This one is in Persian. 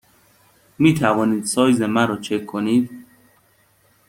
می توانید سایز مرا چک کنید؟